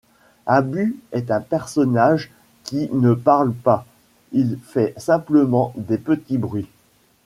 Abu est un personnage qui ne parle pas, il fait simplement des petits bruits.